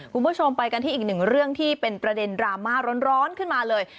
คุณผู้ชมไปกันที่อีกหนึ่งเรื่องที่เป็นประเด็นดราม่าร้อนขึ้นมาเลย